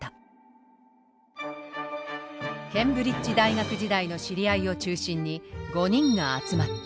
ケンブリッジ大学時代の知り合いを中心に５人が集まった。